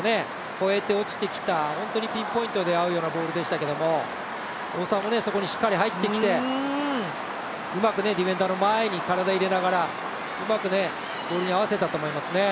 越えて落ちてきた、ピンポイントで合うようなボールでしたけども大澤もそこにしっかり入ってきてうまくディフェンダーの前に体を入れながらうまくボールに合わせたと思いますね。